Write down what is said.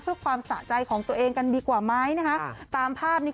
เพื่อความสะใจของตัวเองกันดีกว่าไหมนะคะตามภาพนี้